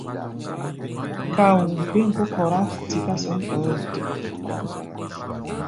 Káu̧u̧, bêm kó Kóró tiká sɛ̌n ɗɔɔ́ yi.